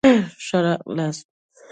ښه راغلاست.